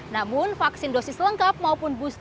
namun vaksin dosis lengkap maupun booster tidak bisa diangkat